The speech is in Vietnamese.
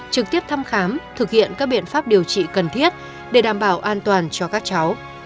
trực tiếp thăm khám thực hiện các biện pháp điều trị cần thiết để đảm bảo an toàn cho các cháu